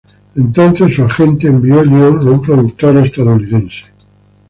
Su agente entonces envió el guion a un productor estadounidense.